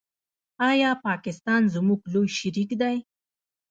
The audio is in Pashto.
آیا پاکستان زموږ لوی شریک دی؟